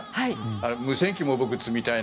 無線機も僕、積みたいな。